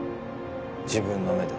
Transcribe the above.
自分の目で。